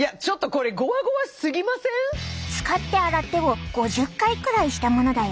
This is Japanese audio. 使って洗ってを５０回くらいしたものだよ。